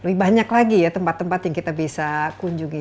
lebih banyak lagi ya tempat tempat yang kita bisa kunjungi